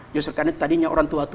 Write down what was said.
justru karena tadinya orang tua